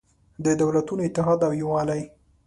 د دولتونو اتحاد او یووالی